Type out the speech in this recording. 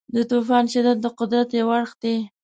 د طوفان شدت د قدرت یو اړخ دی.